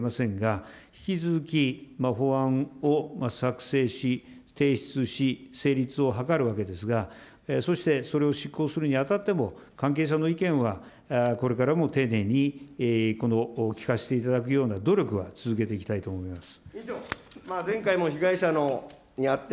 どの方にお会いして、どの方にお会いしないか、これは改めて申し上げませんが、引き続き法案を作成し、提出し、成立を図るわけですが、そしてそれを執行するにあたっても、関係者の意見は、これからも丁寧に聞かせていただくような努力は続けていきたいと思います。